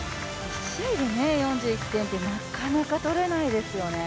１試合で４１点って、なかなか取れないですよね。